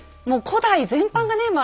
もう古代全般がね